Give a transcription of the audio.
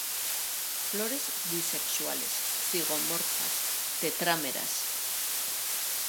Flores bisexuales, zigomorfas, tetrámeras.